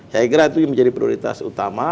saya kira itu menjadi prioritas utama